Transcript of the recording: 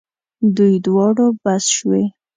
دوی دواړو بس شوې.